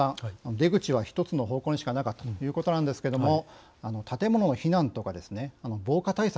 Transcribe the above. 出口は１つの方向にしかなかったというわけですが建物の避難とかですね防火対策